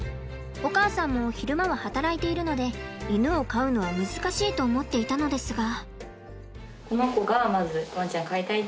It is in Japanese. お母さんも昼間は働いているので犬を飼うのは難しいと思っていたのですが。